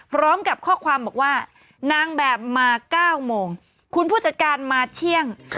พร้อมกับข้อความบอกว่านางแบบมา๙โมงคุณผู้จัดการมาเที่ยง